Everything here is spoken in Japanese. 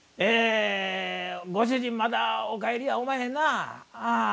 ご主人まだお帰りやおまへんなあ。